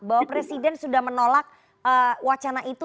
bahwa presiden sudah menolak wacana itu